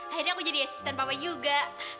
akhirnya aku jadi asisten papan juga